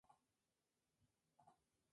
Las flores son de color blanco o blanco rosáceo.